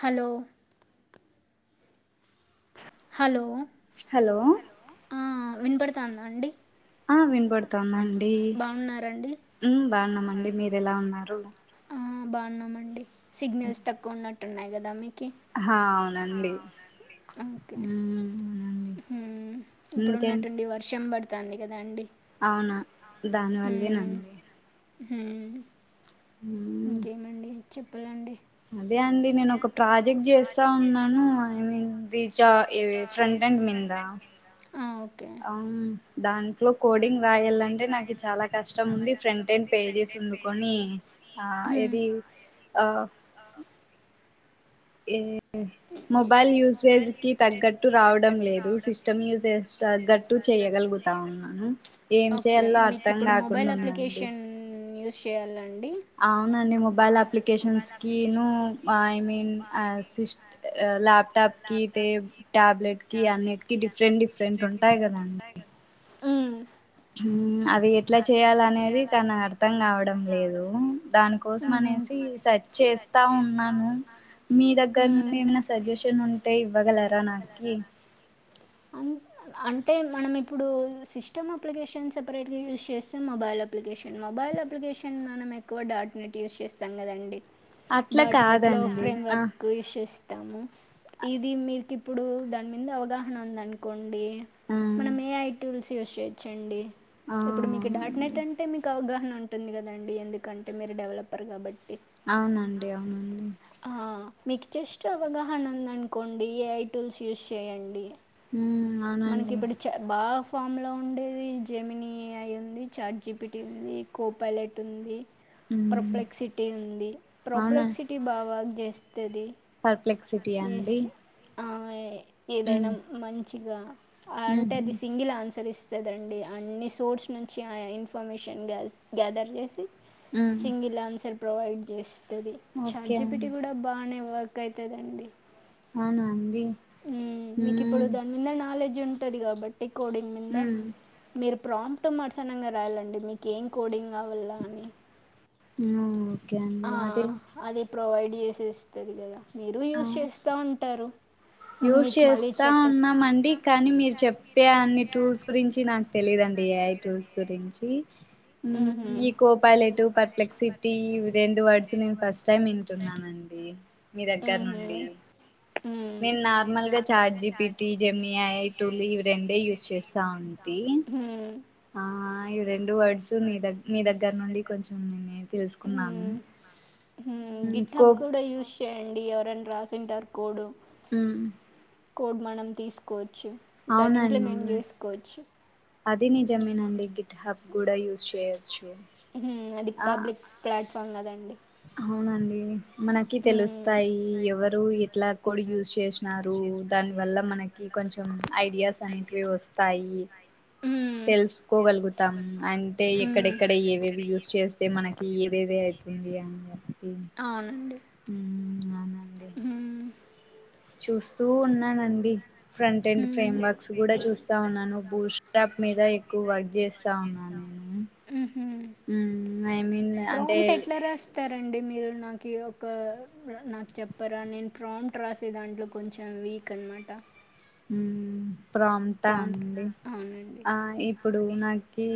Hello hello hello ఆ వినపడుతాందా అండి. ఆ వినపడుతోంది అండి బాగున్నారండి ఉం బాగున్నామండి మీరు ఎలా ఉన్నారు. ఆ, బాగున్నామండి. సిగ్నల్స్ తక్కువ ఉన్నట్టు ఉన్నాయి కదా అమ్మి హా అవును. రండి ఉమ్మ్ హుమ్ ఇప్పుడున్నటుండి వర్షం పడుతు కంది కదా అండి. అవునా దానివల్లే నండి. హుమ్మ్ ఇంకేమండి చెప్పలండి. అదే అండి నేను ఒక ప్రాజెక్ట్ చేస్తా ఉన్నాను ఐ మీన్ రీజా ఈ ఫ్రంట్ అండ్ మీంద ఆ, ఓకే అవును దాని ఇప్పుడు కోడింగ్ రాయాలంటే నాకు ఇది చాలా కష్టం ఉంది ఫ్రంట్ అండ్ పేజెస్ ఉండుకొని ఆ ఏది ఆ ఇన్ మొబైల్ యూసేజ్ కి తగ్గట్టు రావడం లేదు సిస్టమ్ యూసేజ్ తగ్గట్టు చేయగలుగుతా ఉన్నాను ఏం ఓకే చేయాలో మీకు అర్థం కాకుండా ఉందండి. షేర్లండ్ అవునండి మొబైల్ అప్లికేషన్స్ కిను ఐ మీన్ సిస్ట ల్యాప్ టాప్ కి టీ టాబ్లెట్ కి అన్నిటికి డిఫరెంట్ డిఫరెంట్ ఉంటాయి కదండి. ఉమ్మ్ ఉమ్మ్ అవి ఎట్లా చేయాల అనేది కాని నాకు అర్థం కావడం లేదు దానికోసం అనేసి సర్చ్ చేస్తా ఉన్నాను, మీ దగ్గర గర్ నుండి ఏమైనా సజెషన్ ఉంటే ఇవ్వగలరా నాకి అన్ అంటే మనం ఇప్పుడు సిస్టమ్ అప్లికేషన్ సపరేట్గా యూజ్ చేస్తే మొబైల్ అప్లికేషన్ మొబైల్ అప్లికేషన్ మనం ఎక్కువ డాట్ నెట్ యూస్ చేస్తాం కదండి. అట్ల డాట్ నెట్లో కాదండి ఫ్రేమ్ ఆ వర్క్ యూస్ చేస్తాము ఇది మీకి ఇప్పుడు దాని మీద అవగాహన ఉంది అనుకోండ్ ఉంది ఆ మనం ఏ ఐ టూల్స్ తీసిచ్చండి ఆ ఇప్పుడు మీకు అవునండి దాటినట్టంటే మీకు అవగాహన ఉ ఉంటుంది కదండి ఎందుకంటే మీరు డెవలపర్ కాబట్టి అవునండి అవునండి మీకు జస్ట్ అవగాహన ఉందనుకోండి ఏ ఐ టూల్స్ యూస్ చేయండి ఉమ్ మనకి అవునండి ఇబ్బుడు చ బా ఫామ్లో ఉండేవి జెమిన ఐ ఉంది చాట్ జీపిటీ ఉంది కో పలెట్ ఉంది ఉమ్ ప్రొప్లెక్సిటీ ఉంది ప్రొప్లెక్సిటీ బావ జె పర్ప్లెక్సిటీయా అండి మ ఉమ్ ఏదైనా మ చిగా అంటే అది ఉహు సింగిల్ ఆన్సర్ ఇస్త సదేండి అన్ని సోర్స్ నుంచి ఆ ఇన్ఫర్మేషన్ గ్యా గ్యాదర్ చేసి ఉమ్ సింగిల్ ఆన్సర్ ప్రొవైడ్ చేసి ది చాట్ ఓకే జిపిటి అండి గూడా బానే వ ఎక్క అఇత దండి అవును అండి మ్ మీకు ఇప్పుడు ఉమ్ దాని మీద నాలెడ్జ్ జ్ ఉంటది కాబట్టి అకోడింగ్ ఉమ్ మీద ప్రాంప్ట్ మడసానంగా రాయాలండి మీకు ఏం కోడింగ్ గవల్ల అని ఓకే అండి ఆ, అదే అది ప్రొవైడ్ చేసేస్తుంది కదా మీరు యూజ్ ఆ చేస్తా ఉంటారు యూస్ మీకు మళ్ళీ యూస్ చేస్తా చెప్పేసి ఉన్నామండి కానీ మీరు చెప్పే అన్ని టూల్స్ గురించి నాకు తెలిదుండి ఏఐ టూల్స్ గురించి మ్హూ. ఈ కో పలెట్ పర్ప్లెక్ సిటీ ఇ రె రెండు వర్డ్స్ నేను ఫస్ట్ టైం వింటున్నానండి మీ దగ్గర మ్హూ. నుండి మ్మ్. నేను నార్మల్ గా chat GPT Gemini A I tool ఇవి రెండే యూస్ చేస్తాంటి మ్మ్. ఆ ఇవి రెండు వర్డ్స్ న దగ మీ దగ్గర నుండి కొంచెం నేనే తెలుసుకున్నాను మ్మ్. మ్మ్. గిట్ కో హబ్ కూడా యూస్ చేయండి ఎవరైనా రాసింటారు కోడు ఉమ్ కోడ్ మనం తీసుకోవచ్చు దాన్ని ఇంప్లిమెంట్ అవునండి చేసుకోవచ్చు అది నిజమేనండి గిట్ హబ్ కూడా యూస్ చేయొచ్చు హ్మ్, ఆ పబ్లిక్ ప్లాట్ఫా పన్నదండి అవునండి మనకి హ్మ్, తెలుస్తాయి ఎవరు ఎట్లా కూడా యూస్ చేసినారు దాని వల్ల మనకి కొంచెం ఐడియాస్ అనే వి వస్తాయి హ్మ్, తెలుసుకోగల్గు తం అంటే ఎక్కడెక్కడ ఏవేవి యూస్ చేస్తే మనకి ఏదేది తంది ఇ అవునండి ఉమ్ ఉమ్ చూసు స్తూ ఉన్నానండి ఫ్రంట్ ఎండ్ హ్మ్, ఫ్రేమ్ వర్క్స్ కూడా చూస్తా ఉన్నాను బూట్స్ట్రాప్ మీద ఎక్కువ వర్క్ చేస్తా ఉన్నాను నేను మ్హూ. ఉమ్ ఈ ప్రాంప్ట్ ఎట్ల రాస్తారు ండి మీరు నాకు ఒక నాకు చెప్పరా నేను ప్రాంప్ట్ రాసే దాంట్లో కొంచెం వీక్ అనమాట ఉ ప్రాంప్టా ప్రాంప్ట్ అండి అవునండి ఆ ఇప్పుడు నాకి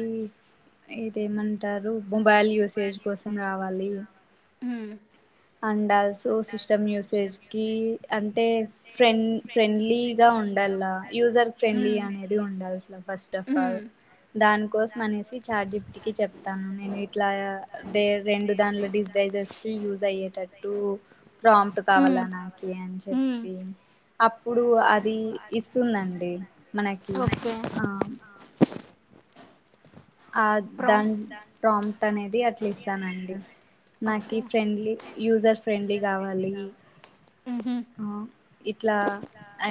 ఇదేమంటారు మొబైల్ యూసేజ్ కోసం రావాలి ఉమ్ ఆండాళ్ సో సిస్టమ్ యూసేజ్కి అంటే ఫ్రెండ్ ఫ్రెండ్లీగా ఉండాల యూజర్ ఫ్రెండ్లీ అనేది ఉండాల అసలా ఫస్ట్ ఆఫ్ ఆల్ మ్మ్. దానికోసం అనేసి చాట్ జి పి టి కి చెప్తాను నేను ఇట్లా ే రెండు దాన్లో డిస్క్రిబర్లు కి యూజ్ అయ్యేది దట్టు ప్రాంట్ కావాల మ్మ్. నాకి అని మ్మ్. చెప్పి అప్పుడు అది ఇస్తుందండి మనకి ఓకే ఆ ఆ ప్రామ్ దాని ప్రాంప్ట్ అనేది అట్లా ఇస్తానండి నాకి ఓకే ఫ్రెండ్లీ యూజర్ ఫ్రెండ్లీ కావాలి ఉహు ఉ ఇట్లా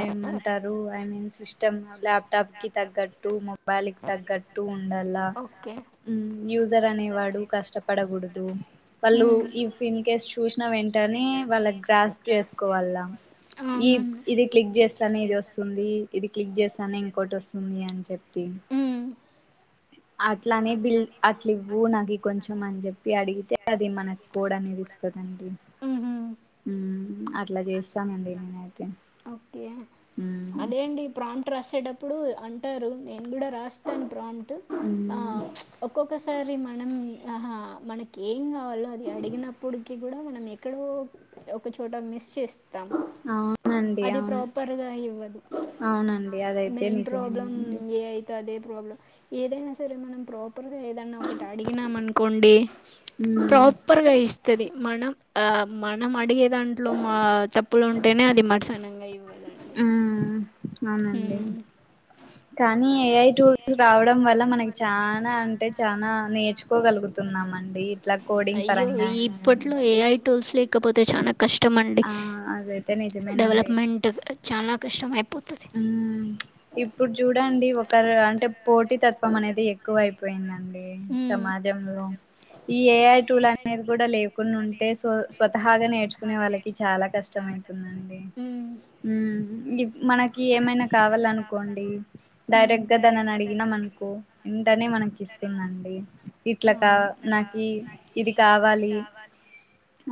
ఏమంటారు ఐ మీన్ సిస్టమ్ ల్యాప్టాప్ కి తగ్గట్టు మొబైల్ కి తగ్గట్టు ఉండల్ల ఓకే ఉమ్ యూజర్ అనేవాడు కష్టపడకూడదు వాళ్ళు ఇఫ్ ఇన్ కేస్ చూసిన వెంటనే వాళ్ళ గ్రాస్ప్ చేసుకోవాల్ల ఈ అవునండి ఇది క్లిక్ చేస్తానే ఇది వస్తుంది ఇది క్లిక్ చేస్తానే ఇంకోటి వస్తుంది అని చెప్పి ఉమ్ అట్లానే బిల్ అట్లు ఇవ్వు నాకు కొంచెం అని చెప్పి అడిగితే అది మనకు కోడ్ అనేది ఇస్తుందండి ఉహు ఉమ్ అట్లా చేస్తానండి నేనైతే ఓకే. అదే అండి ఈ ప్రాంప్ ట్ రాసేటప్పుడు అంటారు నే నేను కూడా రాస్తాను ప్రాంప్ట్ ఆ మ్మ్ ప్చ్ ఒక్కొక్కసారి మనం ఆహా మనకి ఏం కావల్లో అది అడిగినప్పుడుకి కూడా మనం ఎక్కడో ఒక చోట మిస్ చేస్త స్తం అవునండి అది అవును ప్రాపర్ గా ఇవ్వదు అవునండి అదైతే మెయిన్ ప్రాబ్లం నిజమేనండి ఎ ఐ తో అదే ప్రాబ్లం ఏదైనా సరే మనంతరం ప్రా ఇప్పుడు ఏదన్నా ఒకటి అడిగినాం అనుకోండి మ్మ్ ప్రాపర్గా ఇస్తది మన ఆ మనం అడిగే దాంట్లో మా తప్పులు ఉంటేనే అది మట్సా ఫైవ్ అవ్వదండి మ్మ్ అవునండి కానీ ఏ ఐ టూర్ రావడం వల్ల మనకి చానా అంటే చానా నేర్చు అయ్యో పరంగా అయినా ఇప్పట్లో కానీలేండి ఏఐటూల్స్ లేకపోతే చానా కష్టం అండి ఆ అదైతే డెవలప్మెంట్ చానా కష్టమే ఉమ్ ఇప్పుడు చూడండి ఒకరు అంటే పోటీ తత్వం అనేది ఎక్కువ అయిపోయింది అండి మ్మ్. సమాజంలో ఈ ఏఐటూల్ అనేది కూడా లేవు కొన్ని ఉంటే స్వతహాగా నేర్చుకునే వాళ్ళకి చాలా కష్టం అయితుందండి మ్మ్. ఉమ్.. [unintelligible] మన ఏమైనా కావాలనుకోండి డైరెక్ట్ మ్మ్. గా దానిని అడిగినా మనకు వెంటనే మనకి ఇస్తుందండి ఇట్లా కా నాకి ఇది కావాలి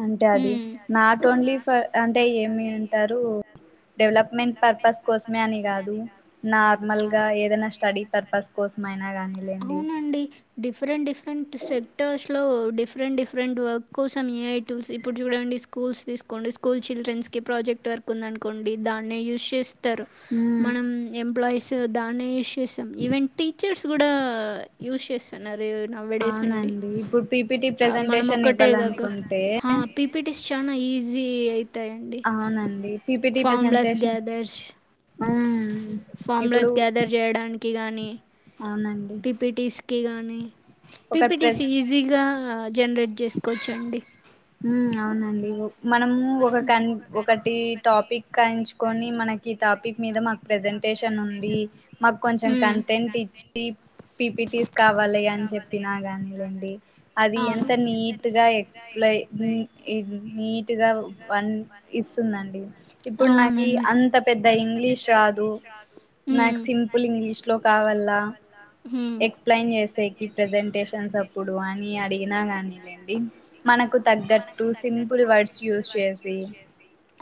అంటే అది నాట్ ఓన్లీ ఫర్ అంటే ఏమి అంటారు డెవలప్మెంట్ పర్పస్ పర్పస్ కోసమే అని కాదు నార్మల్గా నార్మల్ గా ఏదైనా ఎధై స్టడీ కోసం పర్పస్ అయినా కోసమైనా కానీలేండి అవునండి డిఫరెంట్ డిఫరెంట్ సెక్టర్స్ లో డిఫరెంట్ డిఫరెంట్ వర్క్ కోసం ఏ ఐటూమ్స్ ఇప్పుడు చూడండి స్కూల్స్ తీసుకోండి స్కూల్ చిల్డ్రెన్స్ కి ప్రాజెక్ట్ వర్క్ ఉంది అనుకోండి దాన్ని యూస్ చేస్తు స్తారు మ్మ్. మనం ఎంప్లాయ్ ఎంప్లాయీస్ దాన్ని యూస్ చేస్తాం ఈవెన్ టీచర్స్ కూడా యూస్ చేస్తాన్నారు నౌఎడేస్ అండి అవునండి ఇప్పుడు పీపిటీ ఆ మనం ప్రజెంటేషన్ ఒకటేగాక ఇవ్వాలనుకుంటే హా పీపీటీ ఇస్ చానా ఈజి ఈజీ అయితే అవునండి పిపిటి ప్రసెంటేషన్ ఫార్మ్లస్ గ్యాదర్ చేయడానికి గానీ అవునండి పీపీటీస్ కీ గానీ ఒక ప్ర పిపిటిస్ ఈజీగా జనరేట్ చేసుకోవచ్చండి. ఉమ్ అవునండి మనము ఒక కన్ ఒకటి టాపిక్ ఎంచుకొని మనకి ఈ టాపిక్ మీద మాకు ప్రెసెంటేషన్ ఉంది మాకు కొంచెం కంటెంట్ ఇచ్చి పిపిటీస్ కావాలి అని చెప్పినా కానీలేండి అది ఎంత అవును అంత నీట్గా ఎక్స్ప్లెన్ నీట్గా వన్ ఇస్తుందండి. ఇప్పుడు నాకు అవునండి అంత పెద్ద ఇంగ్లీష్ రాదు నాకు ఉమ్, సింపుల్ ఇంగ్లీష్ లో కావల్ల ఉమ్, ఎక్స్ప్లెయిన్ చేసేకి ప్రజెంటేషన్స్ అప్పుడు అని అడిగినా కానీ అడిగానండి మనకి తగ్గట్టు సింపుల్ వర్డ్స్ యుస్ చేసి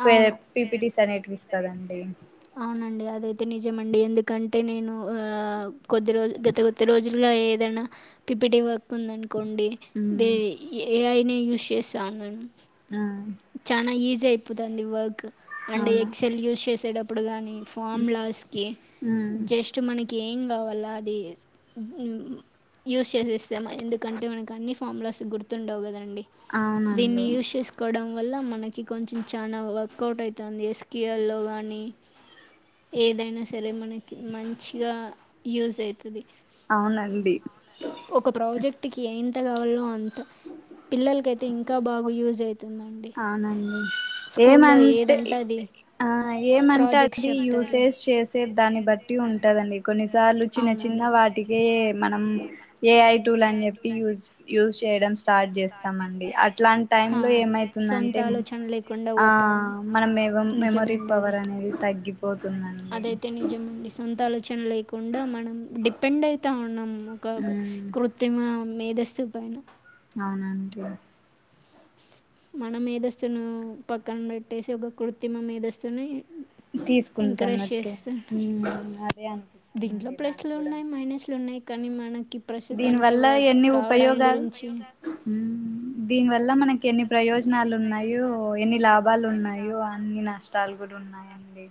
వే అవును పీప్ అవునండి అదైతే నిజంఅండి ఎందుకంటే నేను కొద్ది రోజులు గత కొద్ది రోజులుగా ఏదైనా పిపిటీ వర్క్ ఉందను కొండి ద ఏఐ నేను యూస్ చేస్థానండి. ఆ చనా ఈజీ ఈజీ ఐపోతాంది వర్క్ అండ్ అవును ఎక్సెల్ యూజ్ చేసేటప్పుడు ఇప్పుడు గాని ఫార్ములస్కి జస్ట్ మనకి గెయిన్ కావాల్ల అది ఊ యూస్ చేసి ఇస్తాము ఎందుకంటే మనకు అన్ని ఫాములాస్ గుర్తుండవు కదన్ ండి దీన్ని అవునండి యూజ చేసుకోవడం వల్ల మనకి కొంచెం చాలా వర్కౌట్ అయితంది ఎస్కయాల్లో కానీ ఏదైనా సరే మనకి మంచిగా యూసైత్ టది అవునండి ఒక ప్రాజెక్ట్ కి త కావాలో అంత పిల్లలకైతే ఇంకా బాగా యూజ్ అవుతుందండి అవునండి స్కూల్లో ఏమంటే ఏదంటే అది ఆ ఏమంటే ప్రాజెక్ట్స్ అది అంటే చెప్తారు యూసేజ్ అది చేసే దాన్ని బట్టి ఉంటదండి కొన్నిసార్లు చిన్న చిన్న వాటికే మనం ఏ ఐ టూల్ అని చెప్పి యూజ యూజ్ చేయడం స్టార్ట్ చేస్తామండి అట్లాంటైం హా లో ఏమై సొంత తుందంటే ఆలోచన లేకుండా ఆ పోతుంది మన మేదో మెమోరీ నిజమండి అది పవర్ అనేది తగ్గిపోతుందండి అదైతే నిజమండి సొంత ఆలోచన లేకుండా మనం డిపెండయితా ఉన్నాం ము క గ ఉమ్ కృత్తిమ మేధస్తు పైన అవునండి మన మేధస్తునూ పక్కన పెట్టేసి ఒక కృత్తిమ మేధస్తునీ తీసుకుంటున్నట్టు మ్ అదే దీంట్లో అనిపిస్తుందిండి నాక్ ప్లస్లు గూడా ఉన్నాయి మైనస్లు ఉన్నాయి కానీ మన దీని వల్ల ఎన్ని ఉపయోగాలు గురించి మ్ దీనివ ల్ల మనకెన్ని ప్రయోజనాలన్నాయో ఎన్ని లాభాలు ఉన్నాయో అన్ని నష్టాలు కూడ ఉన్నాయండి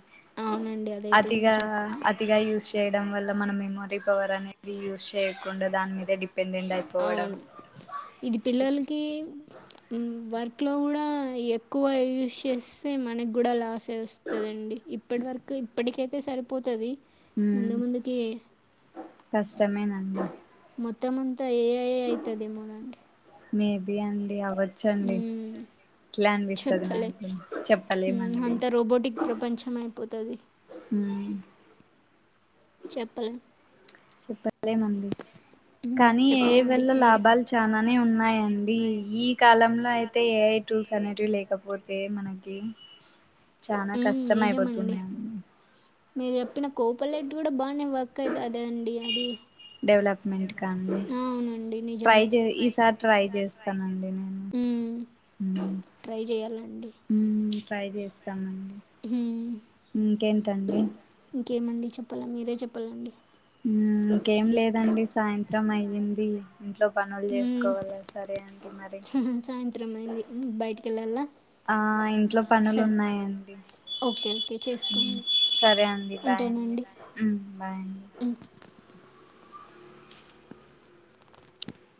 అవునండి అదైతే అతిగా నిజం అతిగా యూస్ చేయడం వల్ల మన మెమోరీ పవర్ అనేది యూస్ చేయ కొండ దాని మీద డిప్ అవును ఇది పిల్లలకీ ఉమ్ వారి ట్లో గూడా ఎక్కువ యూస్ చేస్తే మనగ్గూడా లాస్ తే వస్తదండి ఇప్పడి వరకు ఇప్పడికే తే సరిపోతది ముందు ముందుకి కష్టమే నండి మొత్తం అంతా ఏ ఐ ఐయితదేమో నండి మేబి అండి అవ చ్చండి మ్మ్. ట్లా అనిపిస్తది చెప్పలేం నాకు చెప్పలేమండి అయిపోతది ఉమ్ చెప్పలేం చెప్పలేం అండి మ్మ్. కానీ ఏఐ చెప్పాలండి వల్ల మీరు లాభాల్ చానానే ఉన్నాయండి ఈ దీనిలో కాలంలో అయితే ఏఐ టూల్స్ అనేటివి లేకపోతే మనకి చానా మ్మ్. కష్టం నిజమండి అయిపోతుందం క్కైతాది ఆండి అది డెవలప్మెంట్ కాదు అవునండి ట్రై నిజమే చే ఈసారి ట్రై చేస్తానండి నేను ఊమ్ ఎండి ఏసేస్ ట్రై చేస్తామండి హ్మ్మ్ ఇంకేంటండి ఇంకేమండి చెప్పాలా మీరే చెప్పాలండి ఉ ఇంకేం లేదండి సాయంత్రం అయ్యింది ఇంట్లో పనులు మ్మ్. చేసుకోవాల సరే అండి మరి కెల్లాల్ల ఆ ఇంట్లో పనులు ఉన్నాయండి ఓకే ఓకే ఉమ్ చేసుకోండి సరే అండి బాయండి ఉంటానండి ఉమ్ బాయండి మ్మ్.